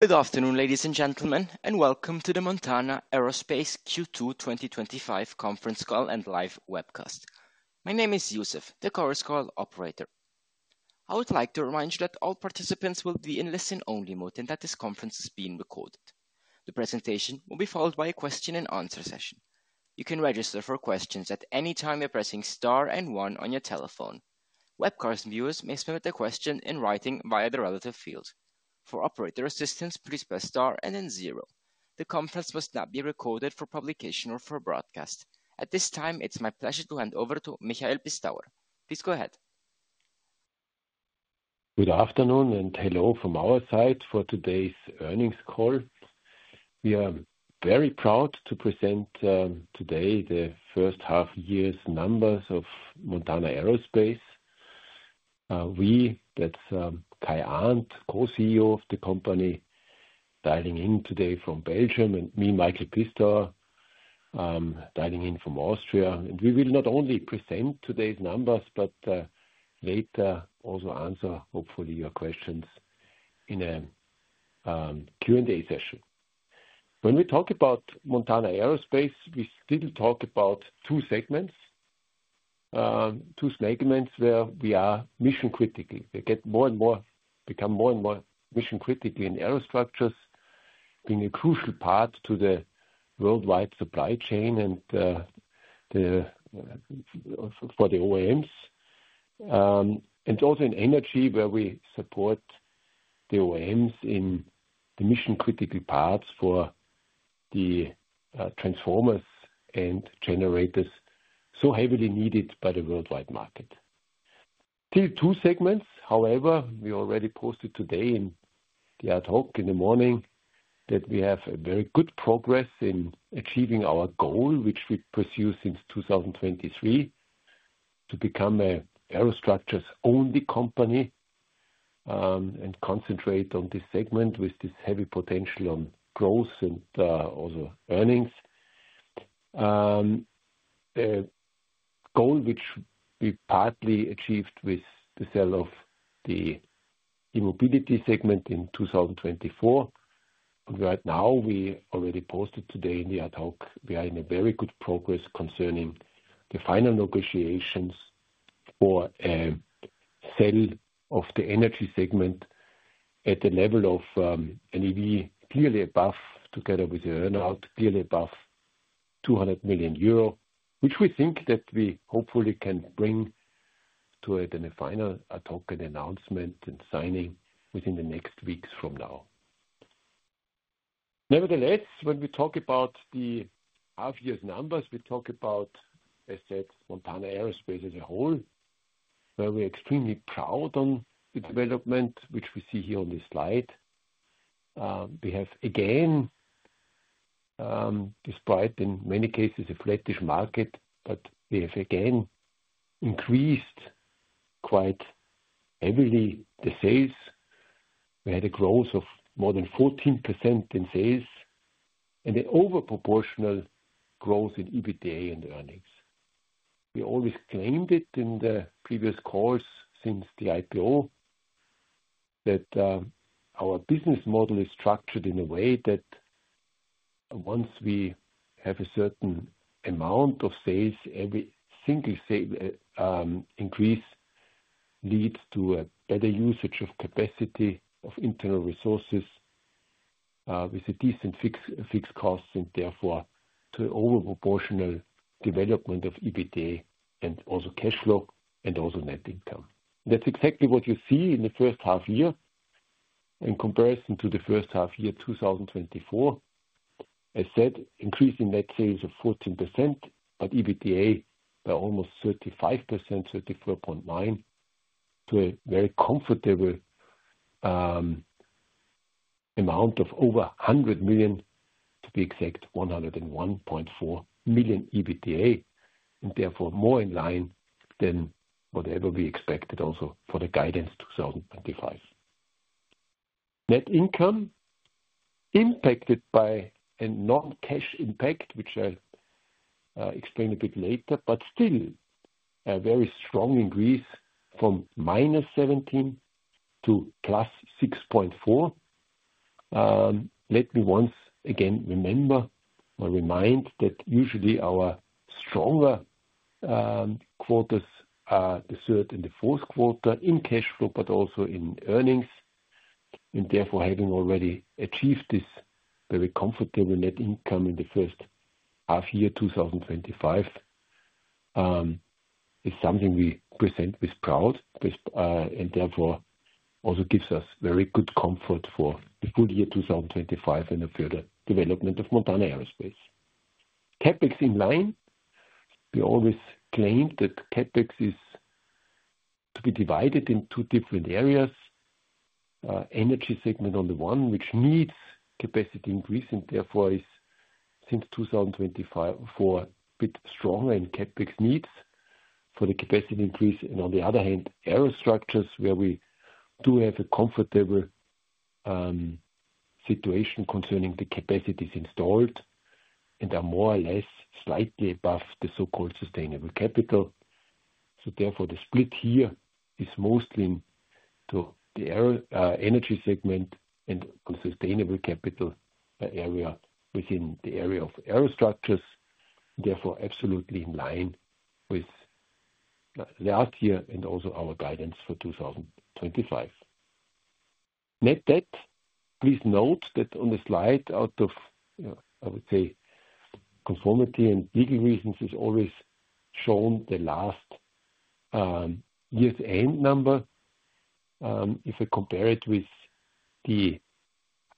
Good afternoon, ladies and gentlemen, and welcome to the Montana Aerospace Q2 2025 Conference Call and Live Webcast. My name is Yusuf, the Chorus Call operator. I would like to remind you that all participants will be in listen-only mode and that this conference is being recorded. The presentation will be followed by a question-and-answer session. You can register for questions at any time by pressing Star and one on your telephone. Webcast viewers may submit a question in writing via the relevant field. For operator assistance, please press Star and then zero. The conference will not be recorded for publication or for broadcast. At this time, it's my pleasure to hand over to Michael Pistauer. Please go ahead. Good afternoon and hello from our side for today's earnings call. We are very proud to present today the first half year's numbers of Montana Aerospace. We, that's Kai Arndt, Co-CEO of the company, dialing in today from Belgium, and me, Michael Pistauer, dialing in from Austria. We will not only present today's numbers, but later also answer hopefully your questions in a Q&A session. When we talk about Montana Aerospace, we still talk about two segments, two segments where we are mission critical. We get more and more, become more and more mission critical in aerostructures, being a crucial part to the worldwide supply chain and for the OEMs. Also in energy, where we support the OEMs in the mission critical parts for the transformers and generators so heavily needed by the worldwide market. Still two segments. However, we already posted today in the ad hoc in the morning that we have very good progress in achieving our goal, which we pursue since 2023, to become an aerostructures only company and concentrate on this segment with this heavy potential on growth and also earnings. The goal, which we partly achieved with the sale of the E-Mobility segment in 2024, and right now we already posted today in the ad hoc, we are in a very good progress concerning the final negotiations for a sale of the Energy segment at the level of an EV, clearly above, together with the earnout, clearly above €200 million, which we think that we hopefully can bring to a final ad hoc and announcement and signing within the next weeks from now. Nevertheless, when we talk about the half year's numbers, we talk about, as I said, Montana Aerospace as a whole, where we are extremely proud on the development, which we see here on this slide. We have again, despite in many cases a flattish market, but we have again increased quite heavily the sales. We had a growth of more than 14% in sales and an overproportional growth in EBITDA and earnings. We always claimed it in the previous calls since the IPO that our business model is structured in a way that once we have a certain amount of sales, every single sale increase leads to a better usage of capacity of internal resources with a decent fixed cost and therefore to an overproportional development of EBITDA and also cash flow and also net income. That's exactly what you see in the first half year in comparison to the first half year 2024. I said increasing net sales of 14%, but EBITDA by almost 35%, 34.9%, to a very comfortable amount of over $100 million, to be exact, $101.4 million EBITDA and therefore more in line than whatever we expected also for the guidance 2025. Net income impacted by a non-cash impact, which I'll explain a bit later, but still a very strong increase from -$17 million-+$6.4 million. Let me once again remember or remind that usually our stronger quarters are the third and the fourth quarter in cash flow, but also in earnings. Therefore, having already achieved this very comfortable net income in the first half year 2025 is something we present with proud and therefore also gives us very good comfort for the full year 2025 and the further development of Montana Aerospace. CapEx in line, we always claim that CapEx is to be divided in two different areas. Energy segment on the one, which needs capacity increase and therefore is since 2024 a bit stronger in CapEx needs for the capacity increase. On the other hand, aerostructures where we do have a comfortable situation concerning the capacities installed and are more or less slightly above the so-called sustainable capital. Therefore, the split here is mostly to the Energy segment and to sustainable capital by area within the area of aerostructures. Therefore, absolutely in line with last year and also our guidance for 2025. Net debt, please note that on the slide, out of, I would say, conformity and legal reasons, is always shown the last year's end number. If we compare it with the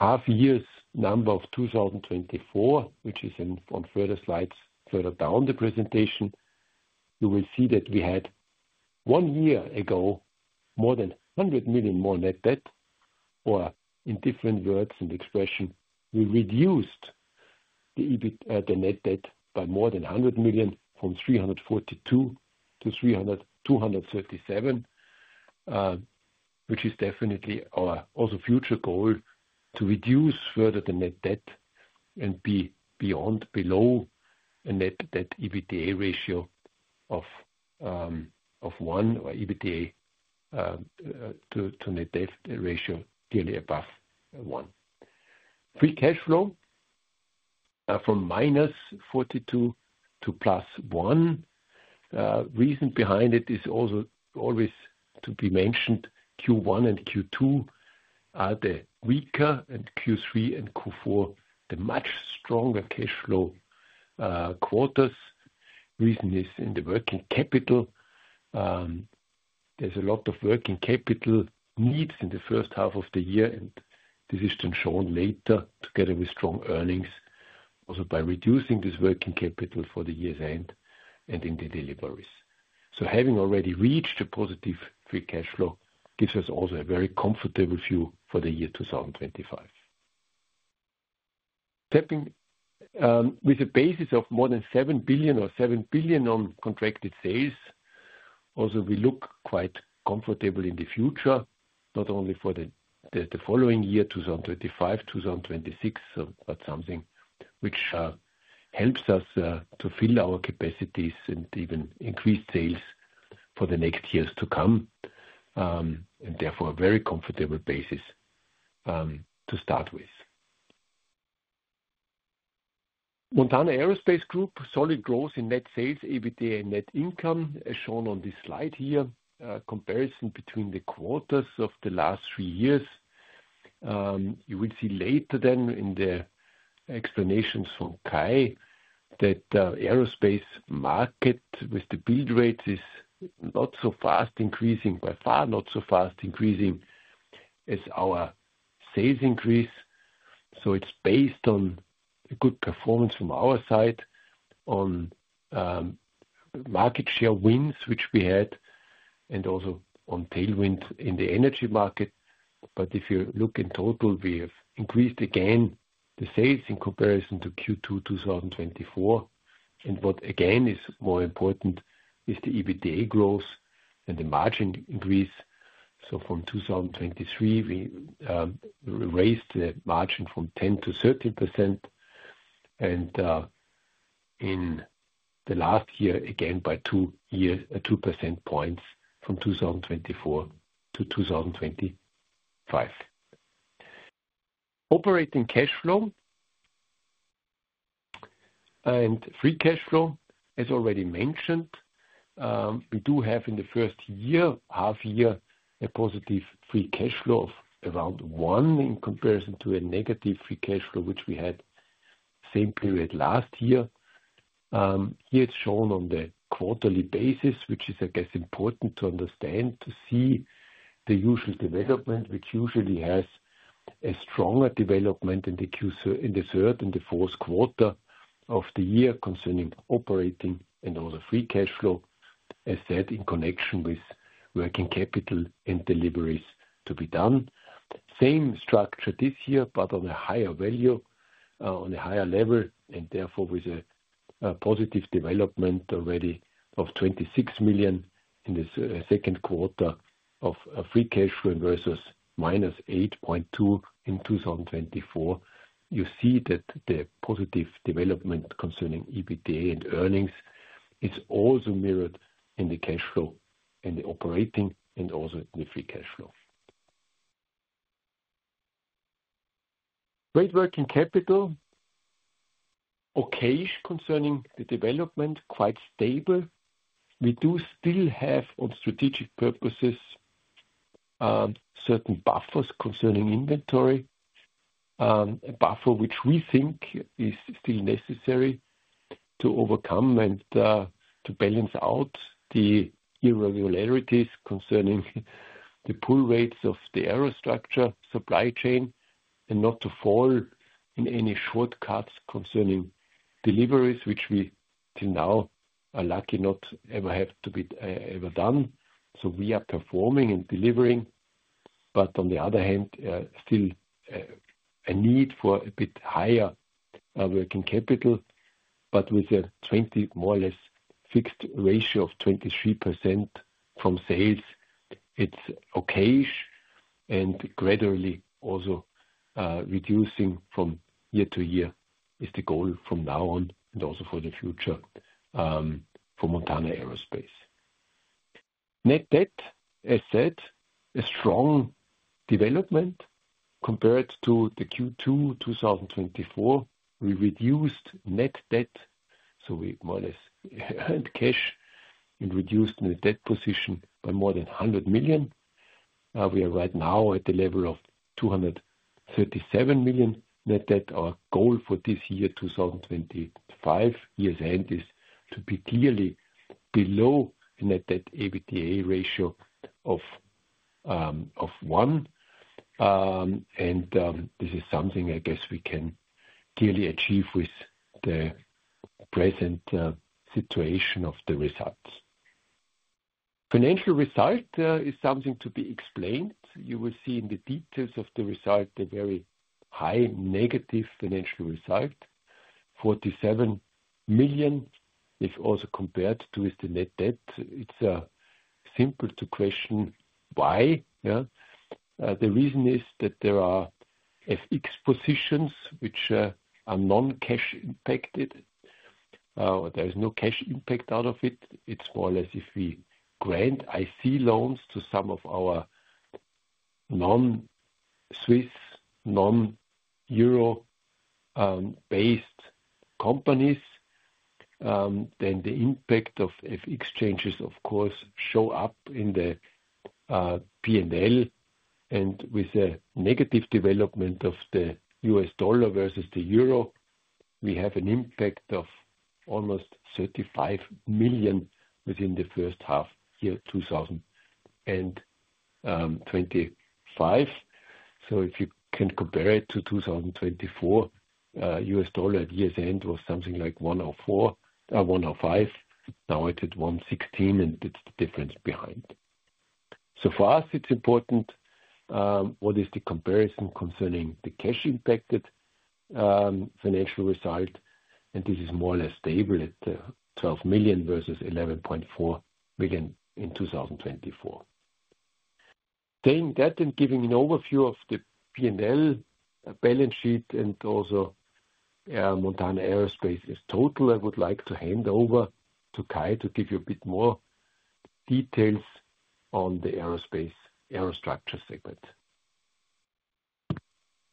half year's number of 2024, which is on further slides, further down the presentation, you will see that we had one year ago more than $100 million more net debt, or in different words and expressions, we reduced the net debt by more than $100 million from $342 million-$337 million, which is definitely our also future goal to reduce further the net debt and be beyond below a net debt/EBITDA ratio of one or EBITDA to net debt ratio clearly above one. Free cash flow from -$42 million-+$1 million. The reason behind it is also always to be mentioned Q1 and Q2 are the weaker, and Q3 and Q4 the much stronger cash flow quarters. The reason is in the working capital. There's a lot of working capital needs in the first half of the year, and this is then shown later together with strong earnings, also by reducing this working capital for the year's end and in the deliveries. Having already reached a positive free cash flow gives us also a very comfortable view for the year 2025. Stepping with a basis of more than $7 billion or $7 billion on contracted sales, we look quite comfortable in the future, not only for the following year, 2025, 2026, but something which helps us to fill our capacities and even increase sales for the next years to come. Therefore, a very comfortable basis to start with. Montana Aerospace Group, solid growth in net sales, EBITDA, and net income as shown on this slide here. Comparison between the quarters of the last three years. You will see later in the explanations from Kai that the aerospace market with the build rates is not so fast increasing, by far not so fast increasing as our sales increase. It is based on a good performance from our side on market share wins, which we had, and also on tailwinds in the energy market. If you look in total, we have increased again the sales in comparison to Q2 2024. What again is more important is the EBITDA growth and the margin increase. From 2023, we raised the margin from 10%-13%. In the last year, again by 2% points from 2024 to 2025. Operating cash flow and free cash flow, as already mentioned, we do have in the first half year a positive free cash flow of around $1 million in comparison to a negative free cash flow, which we had the same period last year. Here it's shown on the quarterly basis, which is, I guess, important to understand to see the usual development, which usually has a stronger development in the third and the fourth quarter of the year concerning operating and also free cash flow as said in connection with working capital and deliveries to be done. Same structure this year, but on a higher value, on a higher level, and therefore with a positive development already of $26 million in the second quarter of free cash flow versus -$8.2 million in 2024. You see that the positive development concerning EBITDA and earnings is also mirrored in the cash flow and the operating and also in the free cash flow. Great working capital, okay concerning the development, quite stable. We do still have on strategic purposes certain buffers concerning inventory, a buffer which we think is still necessary to overcome and to balance out the irregularities concerning the pull rates of the aerostructures supply chain and not to fall in any shortcuts concerning deliveries, which we till now are lucky not ever have to be ever done. We are performing and delivering, but on the other hand, still a need for a bit higher working capital. With a more or less fixed ratio of 23% from sales, it's okay and gradually also reducing from year-to-year is the goal from now on and also for the future for Montana Aerospace. Net debt, as said, a strong development compared to Q2 2024. We reduced net debt, so we more or less earned cash and reduced the debt position by more than $100 million. We are right now at the level of $237 million net debt. Our goal for this year 2025, year's end, is to be clearly below a net debt/EBITDA ratio of 1. This is something I guess we can clearly achieve with the present situation of the results. Financial result is something to be explained. You will see in the details of the result, a very high negative financial result, $47 million. If also compared to the net debt, it's simple to question why. The reason is that there are FX positions which are non-cash impacted, or there is no cash impact out of it. It's more or less if we grant IC loans to some of our non-Swiss, non-euro based companies, then the impact of FX changes, of course, show up in the P&L. With the negative development of the U.S. dollar versus the euro, we have an impact of almost $35 million within the first half year 2025. If you can compare it to 2024, U.S. dollar at year's end was something like $1.04, $1.05. Now it's at $1.16 and it's the difference behind. For us, it's important, what is the comparison concerning the cash impacted financial result? This is more or less stable at $12 million versus $11.4 million in 2024. Saying that and giving an overview of the P&L, a balance sheet, and also Montana Aerospace in total, I would like to hand over to Kai to give you a bit more details on the aerospace aerostructures segment.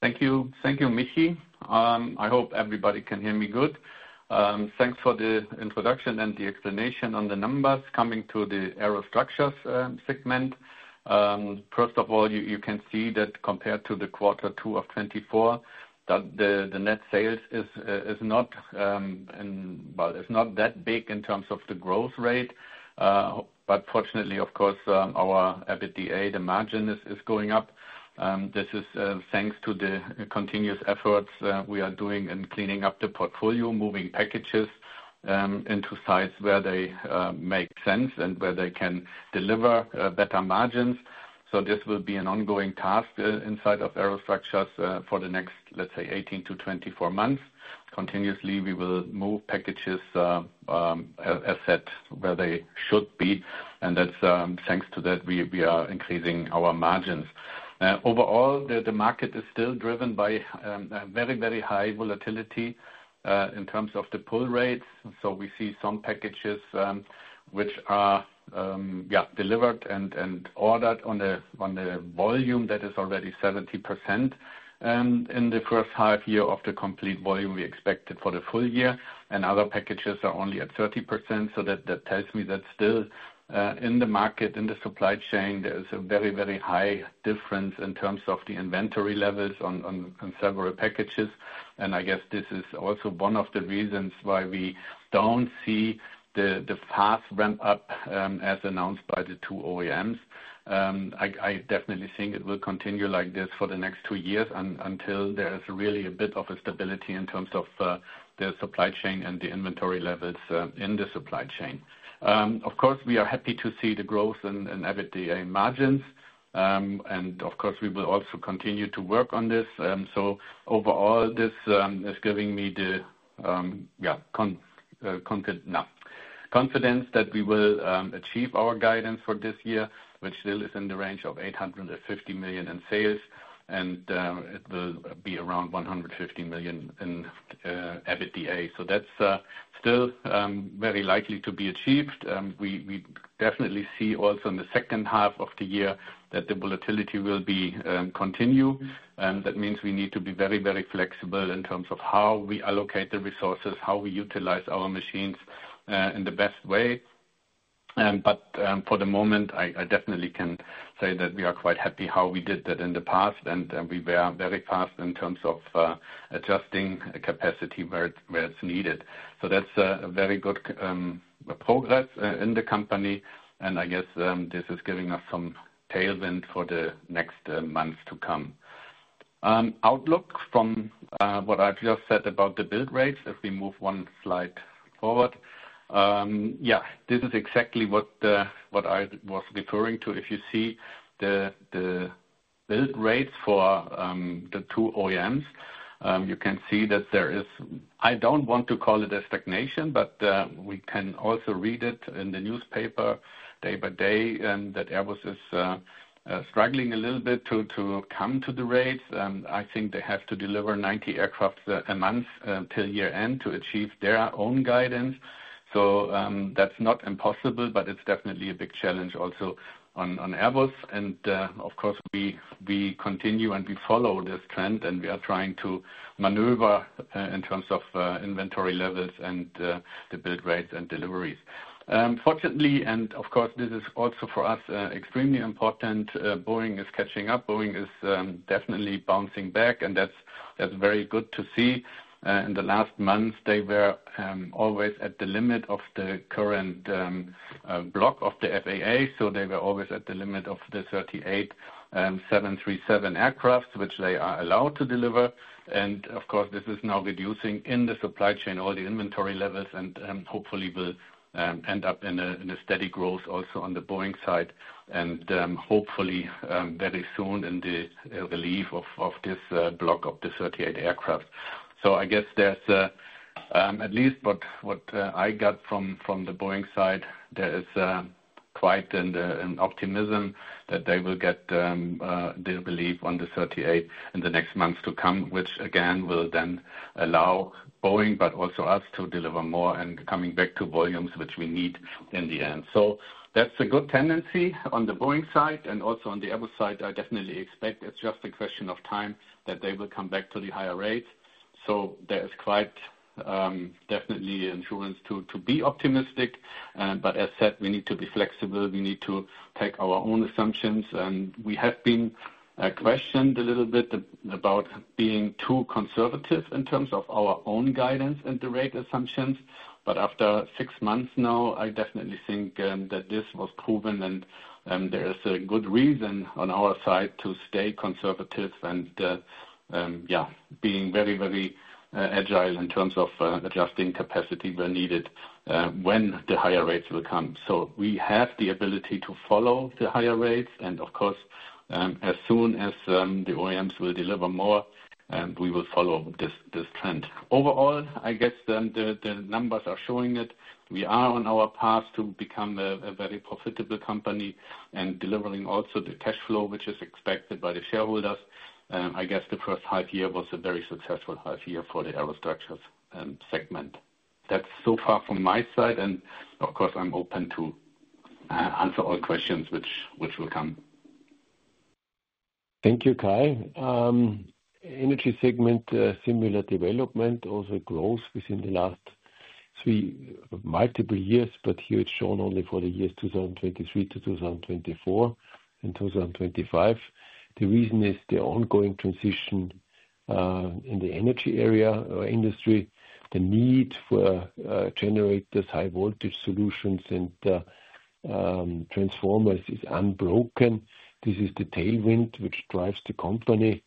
Thank you. Thank you, Michy. I hope everybody can hear me good. Thanks for the introduction and the explanation on the numbers coming to the aerostructures segment. First of all, you can see that compared to the quarter two of 2024, that the net sales is not, well, is not that big in terms of the growth rate. Fortunately, of course, our EBITDA, the margin is going up. This is thanks to the continuous efforts we are doing in cleaning up the portfolio, moving packages into sites where they make sense and where they can deliver better margins. This will be an ongoing task inside of aerostructures for the next, let's say, 18-24 months. Continuously, we will move packages, as I said, where they should be. That's thanks to that we are increasing our margins. Overall, the market is still driven by very, very high volatility in terms of the pull rates. We see some packages which are delivered and ordered on a volume that is already 70% in the first half year of the complete volume we expected for the full year. Other packages are only at 30%. That tells me that still in the market, in the supply chain, there is a very, very high difference in terms of the inventory levels on several packages. I guess this is also one of the reasons why we don't see the fast ramp up as announced by the two OEMs. I definitely think it will continue like this for the next two years until there is really a bit of stability in terms of the supply chain and the inventory levels in the supply chain. Of course, we are happy to see the growth in EBITDA margins. We will also continue to work on this. Overall, this is giving me the confidence that we will achieve our guidance for this year, which still is in the range of $850 million in sales, and it will be around $150 million in EBITDA. That's still very likely to be achieved. We definitely see also in the second half of the year that the volatility will continue. That means we need to be very, very flexible in terms of how we allocate the resources, how we utilize our machines in the best way. For the moment, I definitely can say that we are quite happy how we did that in the past, and we were very fast in terms of adjusting capacity where it's needed. That's a very good progress in the company. I guess this is giving us some tailwind for the next months to come. Outlook from what I've just said about the build rates, if we move one slide forward. Yeah, this is exactly what I was referring to. If you see the build rates for the two OEMs, you can see that there is, I don't want to call it a stagnation, but we can also read it in the newspaper day by day that Airbus is struggling a little bit to come to the rates. I think they have to deliver 90 aircraft a month until year end to achieve their own guidance. That's not impossible, but it's definitely a big challenge also on Airbus. Of course, we continue and we follow this trend, and we are trying to maneuver in terms of inventory levels and the build rates and deliveries. Fortunately, and of course, this is also for us extremely important, Boeing is catching up. Boeing is definitely bouncing back, and that's very good to see. In the last months, they were always at the limit of the current block of the FAA. They were always at the limit of the 38, 737 aircraft, which they are allowed to deliver. This is now reducing in the supply chain all the inventory levels and hopefully will end up in a steady growth also on the Boeing side. Hopefully, very soon in the relief of this block of the 38 aircraft. I guess there's at least what I got from the Boeing side, there is quite an optimism that they will get the relief on the 38 in the next months to come, which again will then allow Boeing, but also us to deliver more and coming back to volumes, which we need in the end. That's a good tendency on the Boeing side and also on the Airbus side. I definitely expect it's just a question of time that they will come back to the higher rates. There is quite definitely an insurance to be optimistic. As I said, we need to be flexible. We need to take our own assumptions. We have been questioned a little bit about being too conservative in terms of our own guidance and the rate assumptions. After six months now, I definitely think that this was proven and there is a good reason on our side to stay conservative and, yeah, being very, very agile in terms of adjusting capacity where needed when the higher rates will come. We have the ability to follow the higher rates. Of course, as soon as the OEMs will deliver more, we will follow this trend. Overall, I guess then the numbers are showing it. We are on our path to become a very profitable company and delivering also the cash flow, which is expected by the shareholders. I guess the first half year was a very successful half year for the aerostructures segment. That's so far from my side. Of course, I'm open to answer all questions which will come. Thank you, Kai. Energy segment, similar development, also growth within the last three multiple years, but here it's shown only for the years 2023-2024 and 2025. The reason is the ongoing transition in the energy area or industry. The need for generators, high voltage solutions, and transformers is unbroken. This is the tailwind which drives the company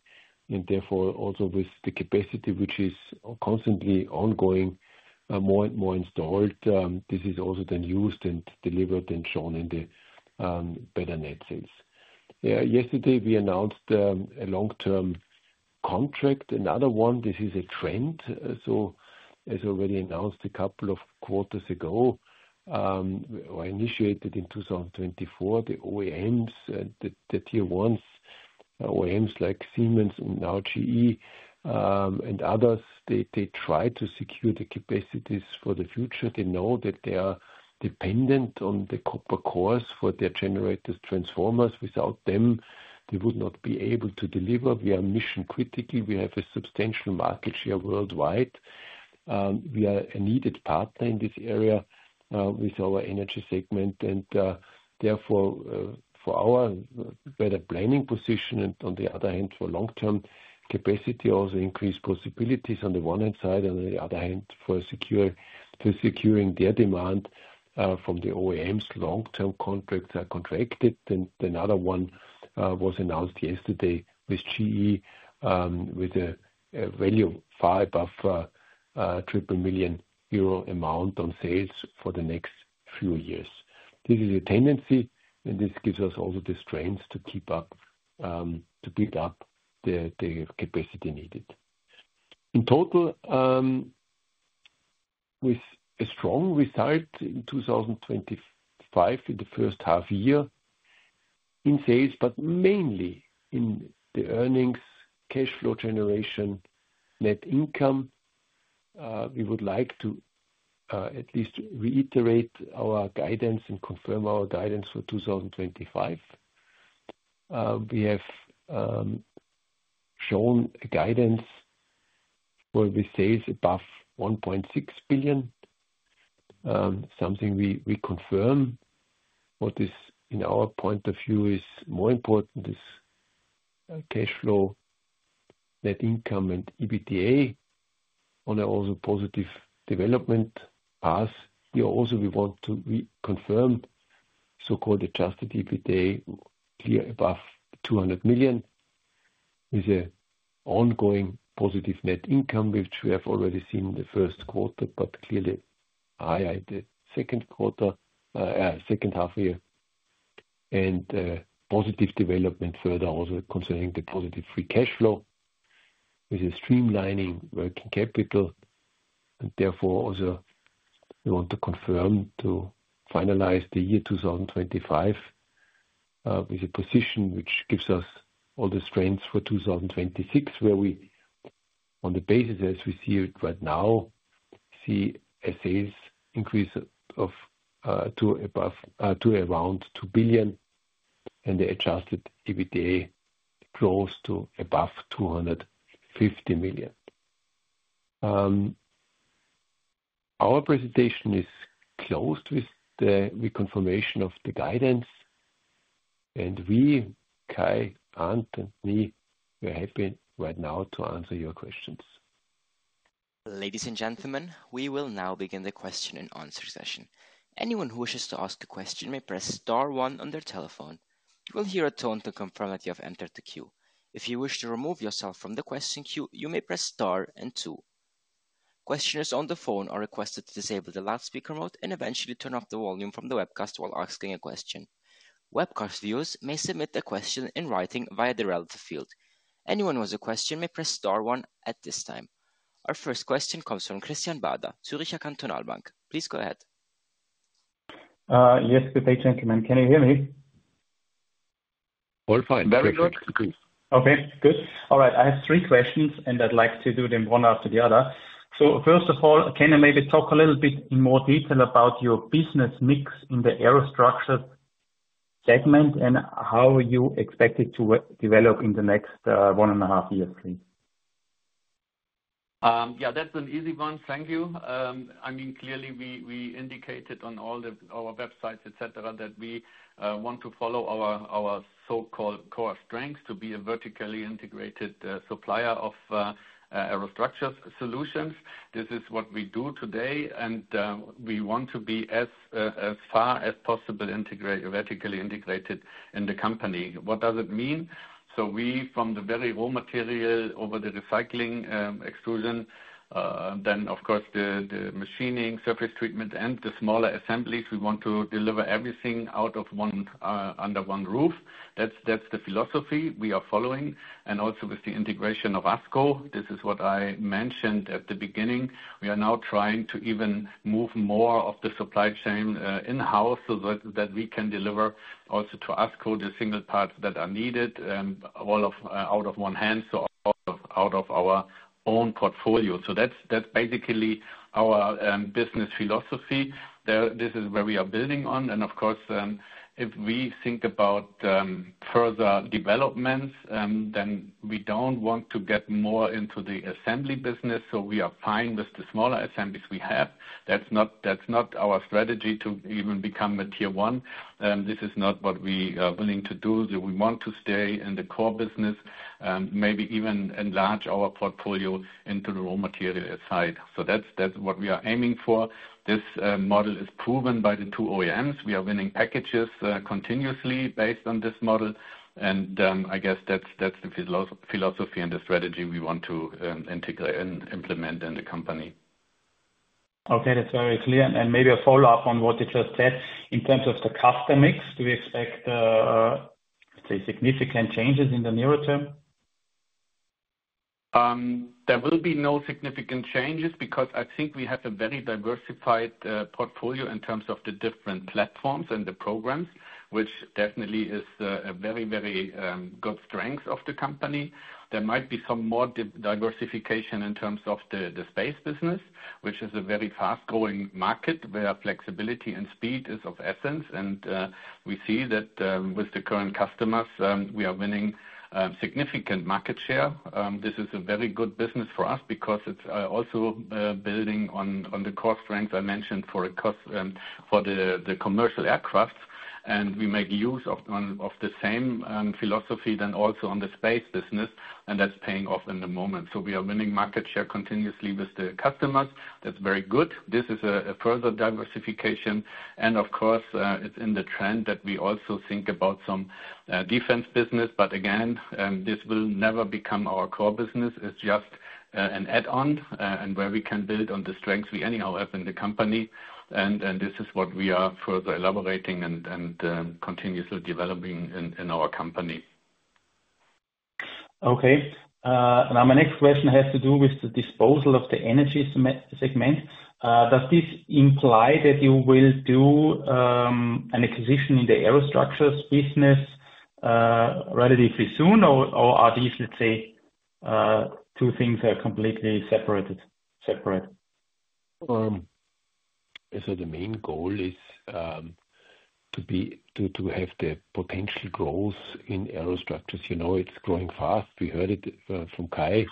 and therefore also with the capacity which is constantly ongoing, more and more installed. This is also then used and delivered and shown in the better net sales. Yesterday, we announced a long-term contract, another one. This is a trend. As already announced a couple of quarters ago, or initiated in 2024, the OEMs, the tier ones, OEMs like Siemens and now GE and others, they try to secure the capacities for the future. They know that they are dependent on the copper cores for their generators, transformers. Without them, they would not be able to deliver. We are mission critical. We have a substantial market share worldwide. We are a needed partner in this area with our Energy segment. Therefore, for our better planning position and on the other hand, for long-term capacity, also increased possibilities on the one hand side, and on the other hand, for securing their demand from the OEMs, long-term contracts are contracted. Another one was announced yesterday with GE, with a value far above a triple million euro amount on sales for the next few years. This is a tendency, and this gives us also the strength to keep up, to build up the capacity needed. In total, with a strong result in 2025 in the first half year in sales, but mainly in the earnings, cash flow generation, net income, we would like to at least reiterate our guidance and confirm our guidance for 2025. We have shown a guidance where we sell above €1.6 billion, something we confirm. What is in our point of view more important is cash flow, net income, and EBITDA on a also positive development path. Here also, we want to reconfirm so-called adjusted EBITDA clearly above €200 million with an ongoing positive net income, which we have already seen in the first quarter, but clearly higher in the second quarter, second half year, and positive development further also concerning the positive free cash flow with a streamlining working capital. Therefore, we want to confirm to finalize the year 2025 with a position which gives us all the strengths for 2026, where we, on the basis as we see it right now, see a sales increase to above to around €2 billion and the adjusted EBITDA grows to above €250 million. Our presentation is closed with the reconfirmation of the guidance. We, Kai Arndt and me, we're happy right now to answer your questions. Ladies and gentlemen, we will now begin the question-and-answer session. Anyone who wishes to ask a question may press Star, one on their telephone. You will hear a tone to confirm that you have entered the queue. If you wish to remove yourself from the question queue, you may press Star, and two. Questioners on the phone are requested to disable the loudspeaker mode and eventually turn up the volume from the webcast while asking a question. Webcast viewers may submit their question in writing via the relative field. Anyone who has a question may press Star, one at this time. Our first question comes from Christian Bader, Zürcher Kantonalbank. Please go ahead. Yes, good day. Can you hear me? All fine. Very good. Okay, good. All right. I have three questions, and I'd like to do them one after the other. First of all, can you maybe talk a little bit in more detail about your business mix in the aerostructures segment and how you expect it to develop in the next one and a half years, please? Yeah, that's an easy one. Thank you. I mean, clearly, we indicated on all of our websites, etc., that we want to follow our so-called core strengths to be a vertically integrated supplier of aerostructures solutions. This is what we do today, and we want to be as far as possible vertically integrated in the company. What does it mean? We, from the very raw material over the recycling extrusion, then of course the machining, surface treatment, and the smaller assemblies, we want to deliver everything out of one under one roof. That's the philosophy we are following. Also, with the integration of ASCO, this is what I mentioned at the beginning. We are now trying to even move more of the supply chain in-house so that we can deliver also to ASCO the single parts that are needed and all out of one hand, so out of our own portfolio. That's basically our business philosophy. This is where we are building on. Of course, if we think about further developments, we don't want to get more into the assembly business. We are fine with the smaller assemblies we have. That's not our strategy to even become a tier one. This is not what we are willing to do. We want to stay in the core business, maybe even enlarge our portfolio into the raw material side. That's what we are aiming for. This model is proven by the two OEMs. We are winning packages continuously based on this model. I guess that's the philosophy and the strategy we want to integrate and implement in the company. Okay, that's very clear. Maybe a follow-up on what you just said. In terms of the custom mix, do we expect, let's say, significant changes in the nearer term? There will be no significant changes because I think we have a very diversified portfolio in terms of the different platforms and the programs, which definitely is a very, very good strength of the company. There might be some more diversification in terms of the space business, which is a very fast-growing market where flexibility and speed is of essence. We see that with the current customers, we are winning significant market share. This is a very good business for us because it's also building on the core strength I mentioned for the commercial aircraft. We make use of the same philosophy then also on the space business, and that's paying off in the moment. We are winning market share continuously with the customers. That's very good. This is a further diversification. Of course, it's in the trend that we also think about some defense business. Again, this will never become our core business. It's just an add-on and where we can build on the strengths we anyhow have in the company. This is what we are further elaborating and continuously developing in our company. Okay. Now my next question has to do with the disposal of the Energy segment. Does this imply that you will do an acquisition in the Aerostructures business relatively soon, or are these, let's say, two things that are completely separate? The main goal is to have the potential growth in aerostructures. You know it's growing fast. We heard it from Kai.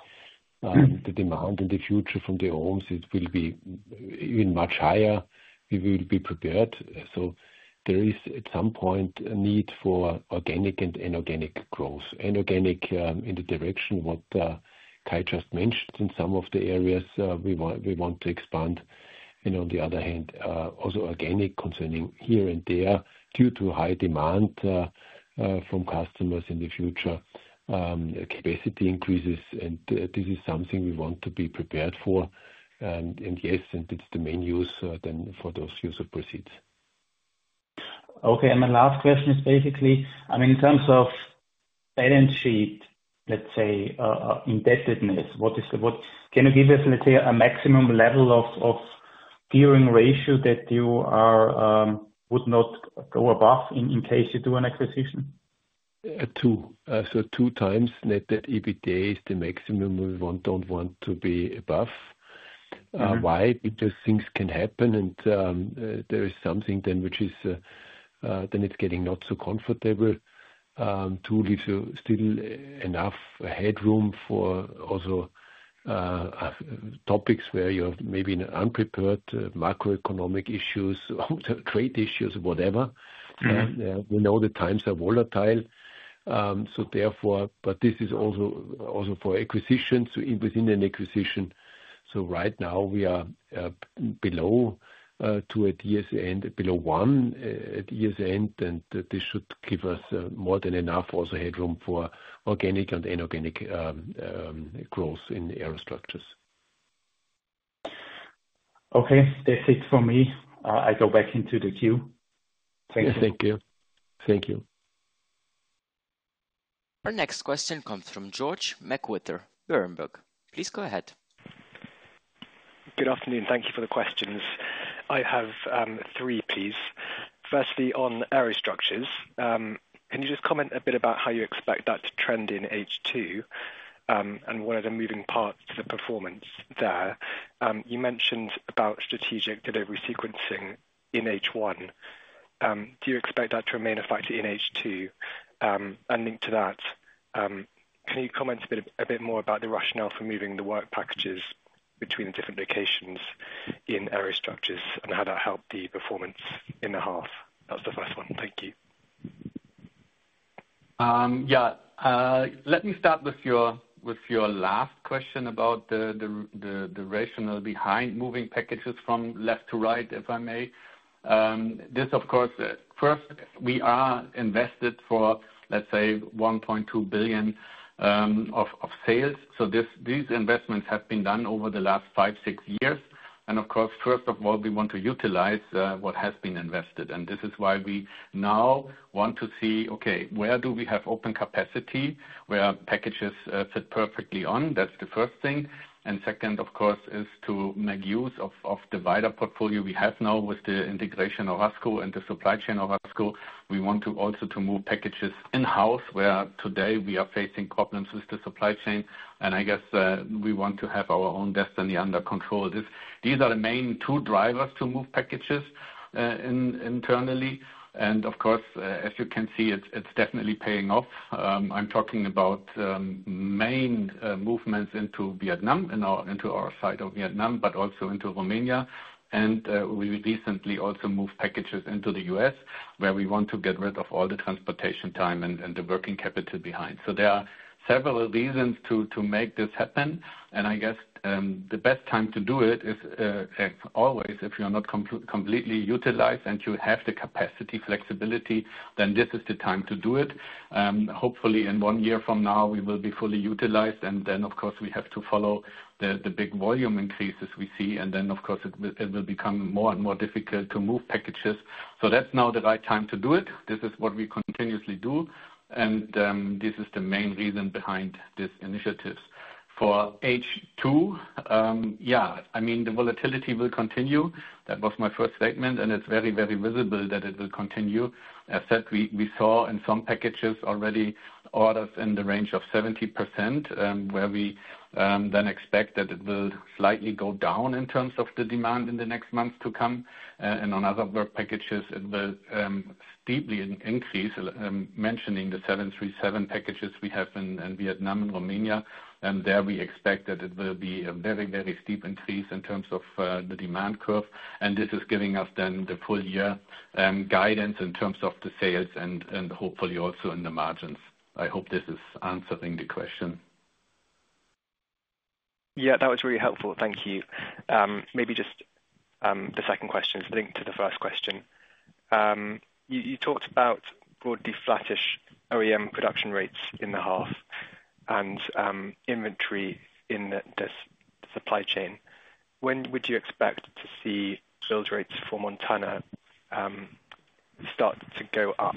The demand in the future from the OEMs, it will be even much higher. We will be prepared. There is at some point a need for organic and inorganic growth. Inorganic in the direction Kai just mentioned in some of the areas we want to expand. On the other hand, also organic concerning here and there due to high demand from customers in the future. Capacity increases, and this is something we want to be prepared for. Yes, it's the main use then for those user proceeds. Okay. My last question is basically, I mean, in terms of balance sheet, let's say, indebtedness, what is the, what can you give us, let's say, a maximum level of gearing ratio that you would not go above in case you do an acquisition? Two. So 2x net debt/EBITDA is the maximum we want to be above. Why? Because things can happen, and there is something then which is then it's getting not so comfortable to leave still enough headroom for also topics where you have maybe unprepared macroeconomic issues, or great issues, or whatever. We know the times are volatile. Therefore, this is also for acquisitions, so within an acquisition. Right now we are below two at year's end, below one at year's end, and this should give us more than enough also headroom for organic and inorganic growth in aerostructures. Okay, that's it for me. I go back into the queue. Thank you. Thank you. Thank you. Our next question comes from George McWhirter Berenberg. Please go ahead. Good afternoon. Thank you for the questions. I have three, please. Firstly, on aerostructures, can you just comment a bit about how you expect that to trend in H2 and what are the moving parts to the performance there? You mentioned about strategic delivery sequencing in H1. Do you expect that to remain a factor in H2? Linked to that, can you comment a bit more about the rationale for moving the work packages between the different locations in aerostructures and how that helped the performance in the half? That's the first one. Thank you. Yeah. Let me start with your last question about the rationale behind moving packages from left to right, if I may. This, of course, first, we are invested for, let's say, $1.2 billion of sales. These investments have been done over the last five, six years. Of course, first of all, we want to utilize what has been invested. This is why we now want to see, okay, where do we have open capacity where packages fit perfectly on? That's the first thing. Second, of course, is to make use of the wider portfolio we have now with the integration of ASCO and the supply chain of ASCO. We want also to move packages in-house where today we are facing problems with the supply chain. I guess we want to have our own destiny under control. These are the main two drivers to move packages internally. As you can see, it's definitely paying off. I'm talking about main movements into Vietnam and into our side of Vietnam, but also into Romania. We recently also moved packages into the U.S. where we want to get rid of all the transportation time and the working capital behind. There are several reasons to make this happen. I guess the best time to do it is, as always, if you are not completely utilized and you have the capacity flexibility, then this is the time to do it. Hopefully, in one year from now, we will be fully utilized. Then, of course, we have to follow the big volume increases we see. It will become more and more difficult to move packages. That's now the right time to do it. This is what we continuously do. This is the main reason behind these initiatives. For H2, yeah, I mean, the volatility will continue. That was my first statement. It's very, very visible that it will continue. As I said, we saw in some packages already orders in the range of 70% where we then expect that it will slightly go down in terms of the demand in the next months to come. On other work packages, it will steeply increase, mentioning the 737 packages we have in Vietnam and Romania. There we expect that it will be a very, very steep increase in terms of the demand curve. This is giving us then the full year guidance in terms of the sales and hopefully also in the margins. I hope this is answering the question. Yeah, that was really helpful. Thank you. Maybe just the second question is linked to the first question. You talked about broadly flattish OEM production rates in the half and inventory in the supply chain. When would you expect to see sales rates for Montana Aerospace AG start to go up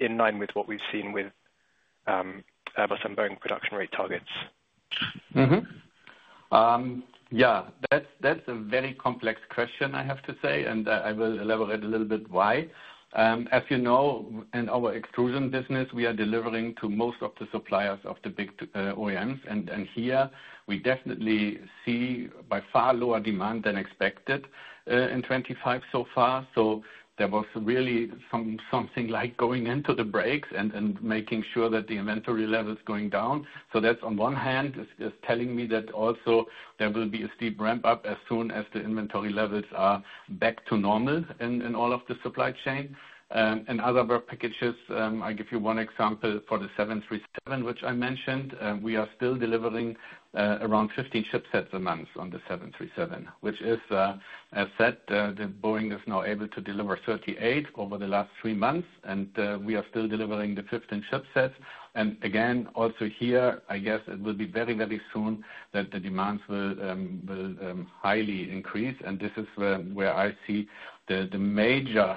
in line with what we've seen with Airbus and Boeing production rate targets? Yeah, that's a very complex question, I have to say. I will elaborate a little bit why. As you know, in our extrusion business, we are delivering to most of the suppliers of the big OEMs. Here we definitely see by far lower demand than expected in 2025 so far. There was really something like going into the brakes and making sure that the inventory level is going down. On one hand, this is telling me that there will be a steep ramp-up as soon as the inventory levels are back to normal in all of the supply chain. In other work packages, I'll give you one example for the 737, which I mentioned. We are still delivering around 15 chipsets a month on the 737, which is, as I said, Boeing is now able to deliver 38 over the last three months. We are still delivering the 15 chipsets. Again, also here, I guess it will be very, very soon that the demands will highly increase. This is where I see the major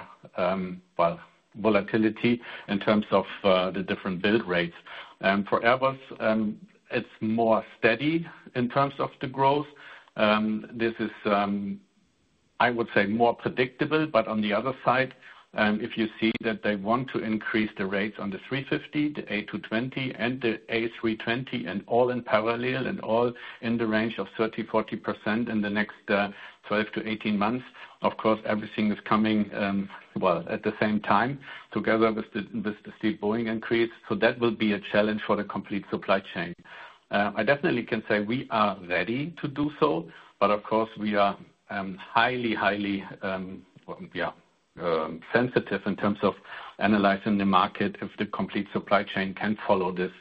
volatility in terms of the different build rates. For Airbus, it's more steady in terms of the growth. This is, I would say, more predictable. On the other side, if you see that they want to increase the rates on the 350, the A220, and the A320, and all in parallel, and all in the range of 30%-40% in the next 12-18 months, of course, everything is coming at the same time together with the steep Boeing increase. That will be a challenge for the complete supply chain. I definitely can say we are ready to do so. Of course, we are highly, highly sensitive in terms of analyzing the market if the complete supply chain can follow this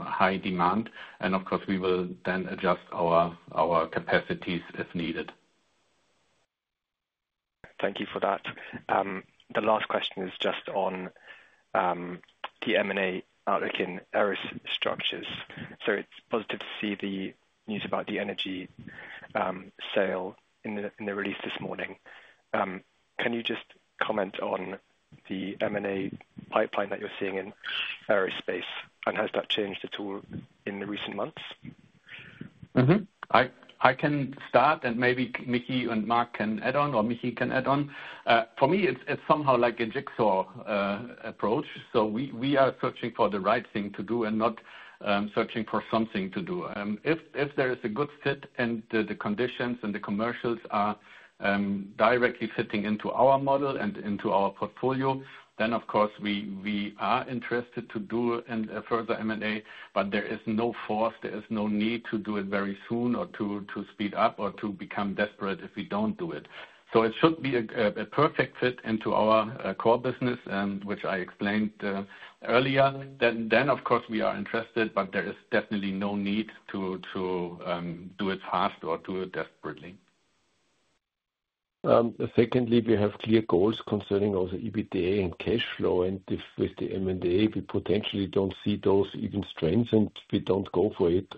high demand. We will then adjust our capacities if needed. Thank you for that. The last question is just on the M&A outlook in aerostructures. It's positive to see the news about the energy sale in the release this morning. Can you just comment on the M&A pipeline that you're seeing in aerospace and has that changed at all in the recent months? I can start and maybe Michy and Mark can add on or Michy can add on. For me, it's somehow like a jigsaw approach. We are searching for the right thing to do and not searching for something to do. If there is a good fit and the conditions and the commercials are directly fitting into our model and into our portfolio, then of course we are interested to do a further M&A. There is no force, there is no need to do it very soon or to speed up or to become desperate if we don't do it. It should be a perfect fit into our core business, which I explained earlier. Of course, we are interested, but there is definitely no need to do it fast or do it desperately. Secondly, we have clear goals concerning also EBITDA and cash flow. With the M&A, we potentially don't see those even strengthened. We don't go for it.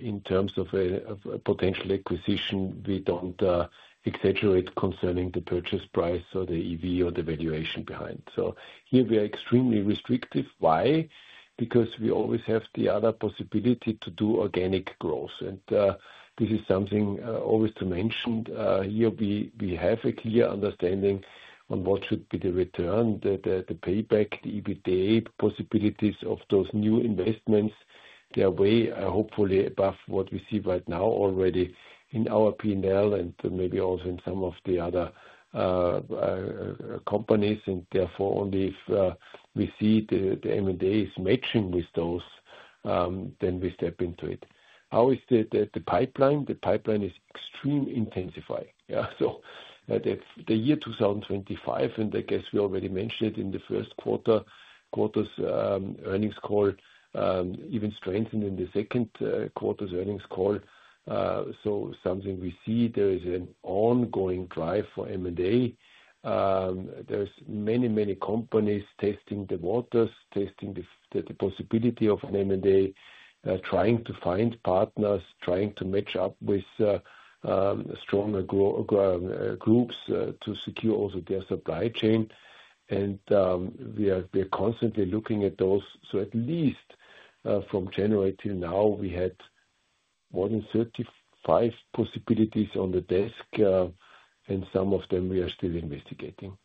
In terms of a potential acquisition, we don't exaggerate concerning the purchase price or the enterprise value or the valuation behind. Here we are extremely restrictive. Why? Because we always have the other possibility to do organic growth. This is something always to mention. Here we have a clear understanding on what should be the return, the payback, the EBITDA possibilities of those new investments. They are way hopefully above what we see right now already in our P&L and maybe also in some of the other companies. Therefore, only if we see the M&A is matching with those, then we step into it. How is the pipeline? The pipeline is extremely intensifying. The year 2025, and I guess we already mentioned it in the first quarter's earnings call, even strengthened in the second quarter's earnings call. We see there is an ongoing drive for M&A. There are many, many companies testing the waters, testing the possibility of an M&A, trying to find partners, trying to match up with stronger groups to secure also their supply chain. We are constantly looking at those. At least from January till now, we had more than 35 possibilities on the desk, and some of them we are still investigating.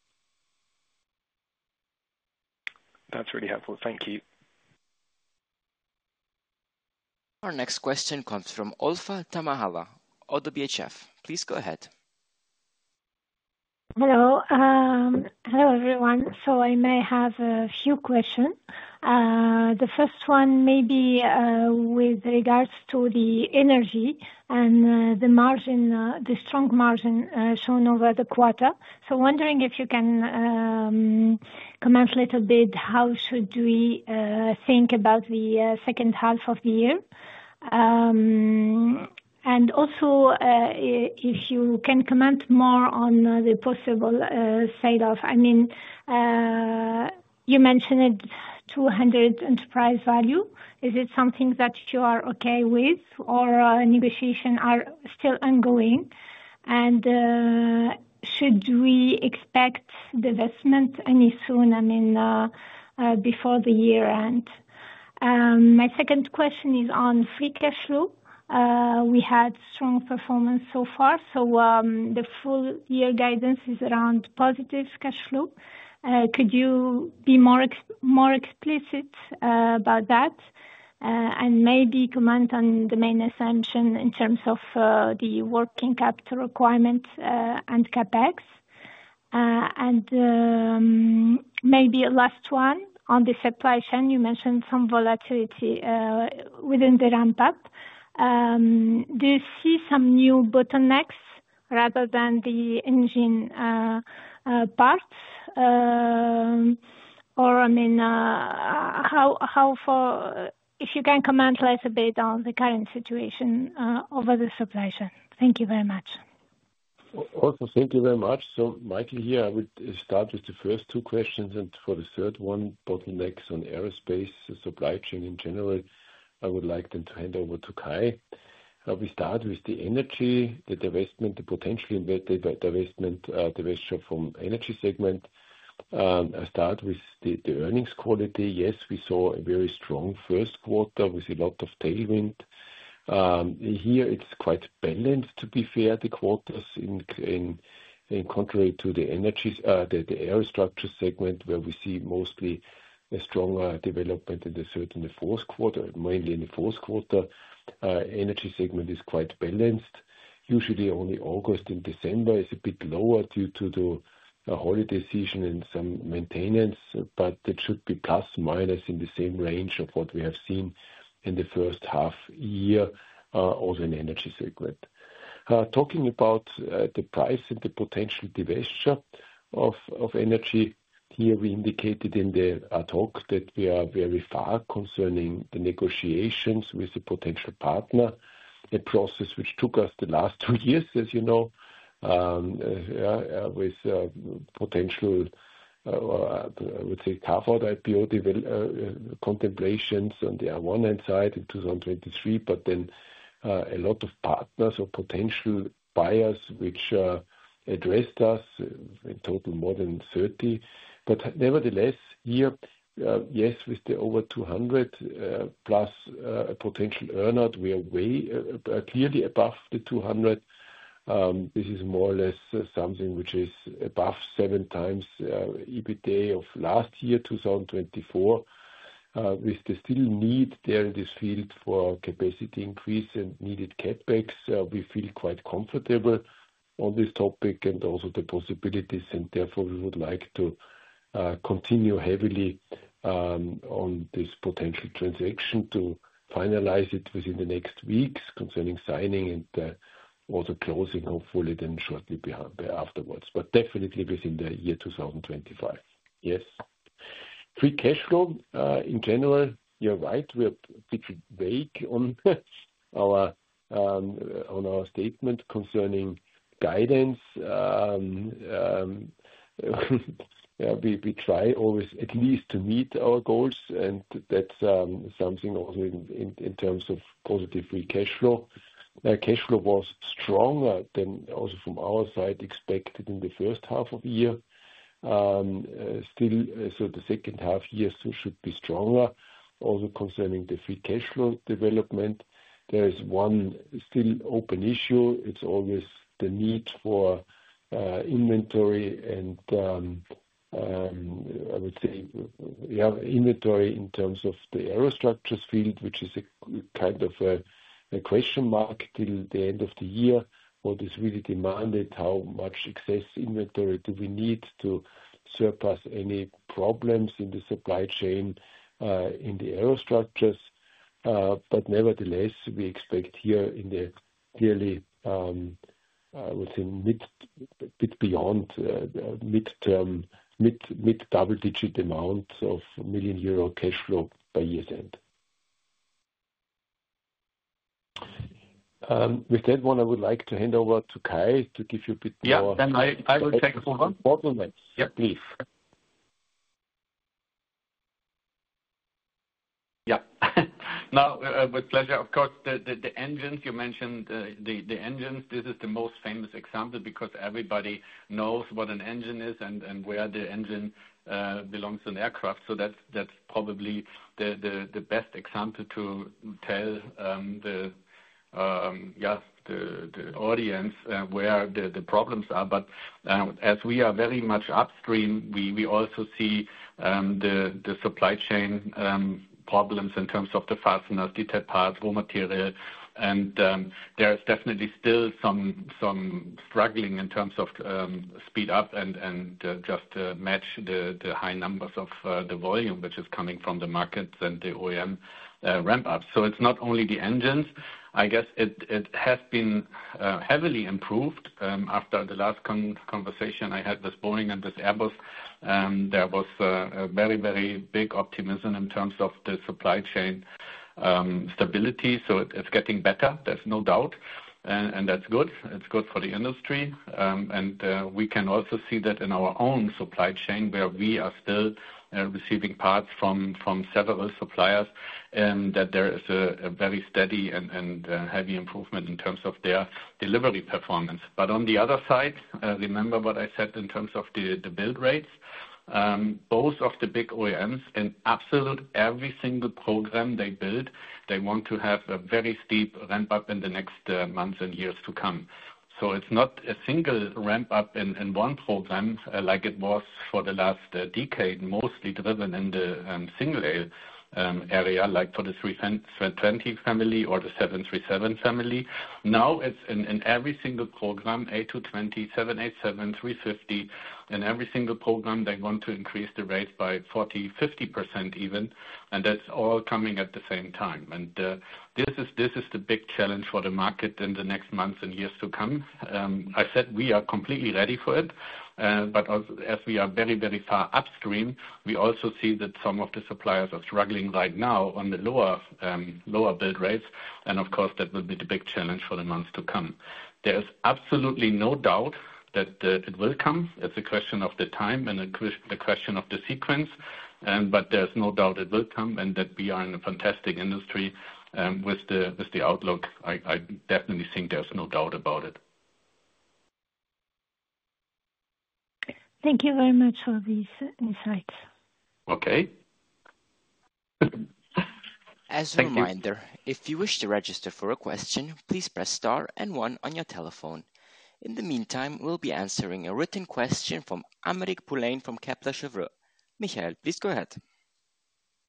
That's really helpful. Thank you. Our next question comes from Olfa Taamallah of ODDO BHF. Please go ahead. Hello. Hello, everyone. I may have a few questions. The first one may be with regards to the Energy segment and the margin, the strong margin shown over the quarter. I am wondering if you can comment a little bit how should we think about the second half of the year. Also, if you can comment more on the possible sale of, I mean, you mentioned it's $200 million enterprise value. Is it something that you are okay with or negotiations are still ongoing? Should we expect the investment any soon? I mean, before the year end. My second question is on free cash flow. We had strong performance so far. The full year guidance is around positive cash flow. Could you be more explicit about that? Maybe comment on the main assumption in terms of the working capital requirement and CapEx. Maybe a last one on the supply chain. You mentioned some volatility within the ramp-up. Do you see some new bottlenecks rather than the engine parts? If you can comment a little bit on the current situation over the supply chain. Thank you very much. Thank you very much. Michael here. I would start with the first two questions, and for the third one, bottlenecks on aerospace supply chain in general, I would like to hand over to Kai. We start with the energy, the divestment, the potential investment, the divestiture from the Energy segment. I start with the earnings quality. Yes, we saw a very strong first quarter with a lot of tailwind. Here, it's quite balanced, to be fair. The quarters, in contrary to the Aerostructures segment, where we see mostly a stronger development in the third and the fourth quarter, mainly in the fourth quarter, the Energy segment is quite balanced. Usually, only August and December are a bit lower due to the holiday season and some maintenance, but it should be plus minus in the same range of what we have seen in the first half year, also in the Energy segment. Talking about the price and the potential divestiture of Energy, here we indicated in the talk that we are very far concerning the negotiations with the potential partner, a process which took us the last two years, as you know, with potential, I would say, carve-out IPO contemplations on the R1 end side in 2023. Then a lot of partners or potential buyers addressed us, in total more than 30. Nevertheless, here, yes, with the over €200 million plus potential earnout, we are way clearly above the €200 million. This is more or less something which is above 7x EBITDA of last year, 2024. With the still need there in this field for capacity increase and needed CapEx, we feel quite comfortable on this topic and also the possibilities. Therefore, we would like to continue heavily on this potential transaction to finalize it within the next weeks concerning signing and also closing, hopefully, then shortly afterwards, but definitely within the year 2025. Yes, free cash flow in general, you're right. We are a bit vague on our statement concerning guidance. We try always at least to meet our goals, and that's something also in terms of positive free cash flow. Cash flow was stronger than also from our side expected in the first half of the year. The second half year still should be stronger, also concerning the free cash flow development. There is one still open issue. It's always the need for inventory. I would say, yeah, inventory in terms of the Aerostructures field, which is a kind of a question mark till the end of the year. What is really demanded? How much excess inventory do we need to surpass any problems in the supply chain in the Aerostructures? Nevertheless, we expect here in the clearly, I would say, a bit beyond mid-term, mid-double-digit amounts of million euro cash flow by year's end. With that one, I would like to hand over to Kai to give you a bit more. Yeah, I will take for one. Bottlenecks. Yeah, please. Yeah. Now, with pleasure, of course, the engines you mentioned, the engines, this is the most famous example because everybody knows what an engine is and where the engine belongs to an aircraft. That's probably the best example to tell the audience where the problems are. As we are very much upstream, we also see the supply chain problems in terms of the fasteners, detailed parts, raw material. There is definitely still some struggling in terms of speed up and just match the high numbers of the volume which is coming from the markets and the OEM ramp-ups. It's not only the engines. I guess it has been heavily improved after the last conversation I had with Boeing and with Airbus. There was a very, very big optimism in terms of the supply chain stability. It's getting better. There's no doubt. That's good. It's good for the industry. We can also see that in our own supply chain where we are still receiving parts from several suppliers and that there is a very steady and heavy improvement in terms of their delivery performance. On the other side, remember what I said in terms of the build rates. Both of the big OEMs and absolutely every single program they build, they want to have a very steep ramp-up in the next months and years to come. It's not a single ramp-up in one program like it was for the last decade, mostly driven in the single aisle area, like for the 320 family or the 737 family. Now it's in every single program, A220, 787, 350, and every single program they want to increase the rates by 40%, 50% even. That's all coming at the same time. This is the big challenge for the market in the next months and years to come. I said we are completely ready for it. As we are very, very far upstream, we also see that some of the suppliers are struggling right now on the lower build rates. Of course, that will be the big challenge for the months to come. There is absolutely no doubt that it will come. It's a question of the time and the question of the sequence. There is no doubt it will come and that we are in a fantastic industry with the outlook. I definitely think there's no doubt about it. Thank you very much for these insights. Okay. As a reminder, if you wish to register for a question, please press Star and one on your telephone. In the meantime, we'll be answering a written question from Americ Poulain from Kepler Cheuvreux. Michael, please go ahead.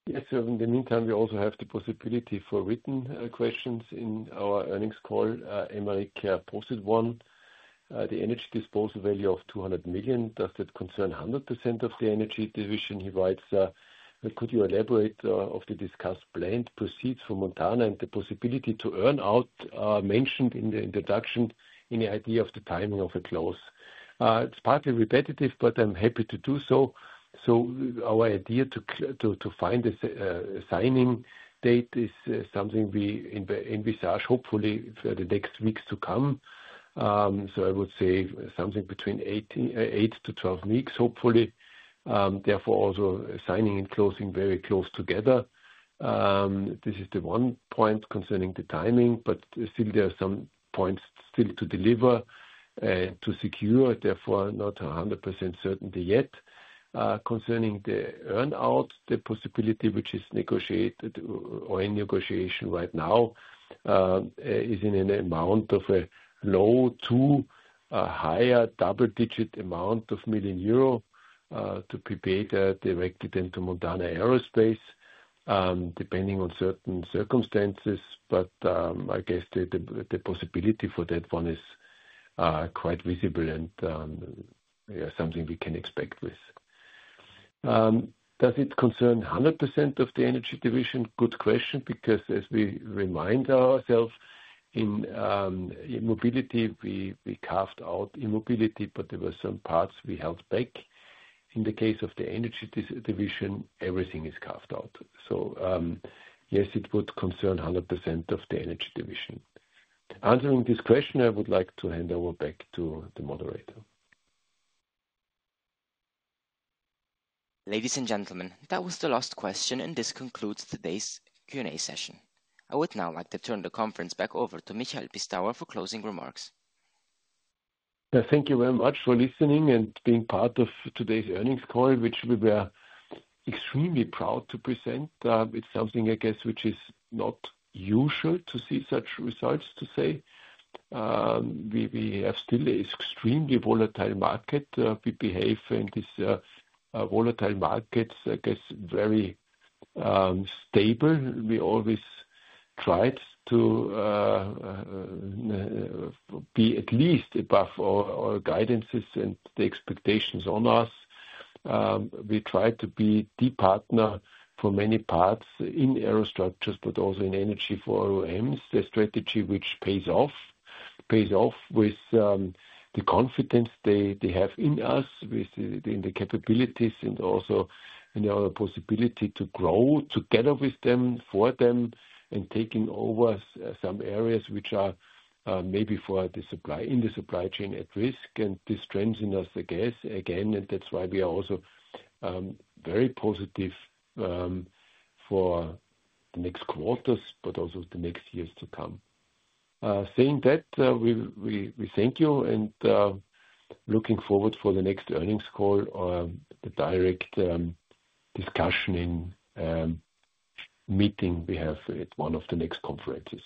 Yes, sir. In the meantime, we also have the possibility for written questions in our earnings call. Americ posed one, the energy disposal value of €200 million. Does that concern 100% of the Energy segment? He writes, could you elaborate on the discussed planned proceeds for Montana and the possibility to earn out mentioned in the introduction? Any idea of the timing of a clause? It's partly repetitive, but I'm happy to do so. Our idea to find a signing date is something we envisage, hopefully, for the next weeks to come. I would say something between 8 to 12 weeks, hopefully. Therefore, also signing and closing very close together. This is the one point concerning the timing, but still there are some points still to deliver and to secure. Therefore, not 100% certainty yet. Concerning the earn-out, the possibility, which is negotiated or in negotiation right now, is in an amount of a low to a higher double-digit amount of million euro to be paid directly then to Montana Aerospace, depending on certain circumstances. I guess the possibility for that one is quite visible and something we can expect with. Does it concern 100% of the Energy segment? Good question because as we remind ourselves in E-Mobility, we carved out E-Mobility, but there were some parts we held back. In the case of the Energy segment, everything is carved out. Yes, it would concern 100% of the Energy segment. Answering this question, I would like to hand over back to the moderator. Ladies and gentlemen, that was the last question, and this concludes today's Q&A session. I would now like to turn the conference back over to Michael Pistauer for closing remarks. Thank you very much for listening and being part of today's earnings call, which we were extremely proud to present. It's something, I guess, which is not usual to see such results, to say. We have still an extremely volatile market. We behave in this volatile market, I guess, very stable. We always tried to be at least above our guidances and the expectations on us. We try to be the partner for many parts in aerostructures, but also in energy for OEMs. The strategy which pays off, pays off with the confidence they have in us, in the capabilities, and also in our possibility to grow together with them, for them, and taking over some areas which are maybe for the supply in the supply chain at risk. This strengthens us, I guess, again. That's why we are also very positive for the next quarters, but also the next years to come. Saying that, we thank you and looking forward to the next earnings call or the direct discussion meeting we have at one of the next conferences.